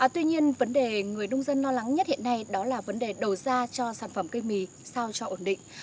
tuy nhiên vấn đề người nông dân lo lắng nhất hiện nay đó là vấn đề đầu ra cho sản phẩm cây mì sao cho ổn định